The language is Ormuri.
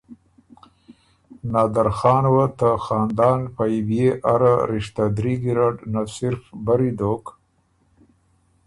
نادرخان وه ته خاندان پئ بيې اره رشته دري ګیرډ نۀ صرف بري دوک